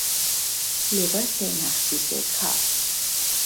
لباس مخصوص کار